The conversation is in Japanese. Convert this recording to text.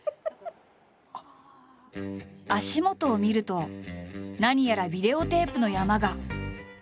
足元を見ると何やらビデオテープの山が。